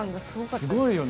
すごいよね。